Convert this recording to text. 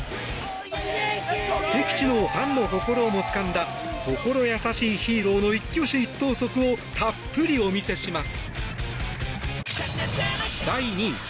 敵地のファンの心をもつかんだ心優しいヒーローの一挙手一投足をたっぷりお見せします。